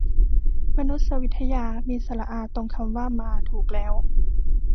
มานุษยวิทยา มีสระอาตรงคำว่ามาถูกแล้ว